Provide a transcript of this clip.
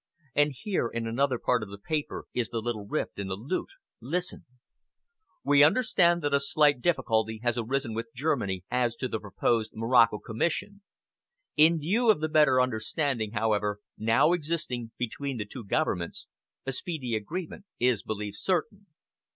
And here, in another part of the paper, is the little rift in the lute, Listen! "'We understand that a slight difficulty has arisen with Germany as to the proposed Morocco Commission. In view of the better understanding, however, now existing between the two governments, a speedy agreement is believed certain.'"